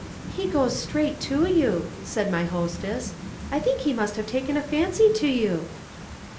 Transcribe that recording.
"He goes straight to you," said my hostess. "I think he must have taken a fancy to you."